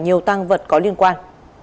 nhiều tăng vật có liên quan